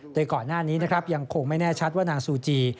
ด้วยก่อนหน้านี้ยังคงไม่แน่ชัดว่านางซูจี